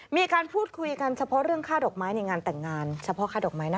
มีการพูดคุยกันเฉพาะเรื่องค่าดอกไม้ในงานแต่งงานเฉพาะค่าดอกไม้นะ